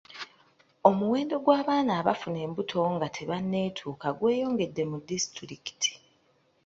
Omwendo gw'abaana abafuna embuto nga tebanneetuka gweyongedde mu disitulikiti.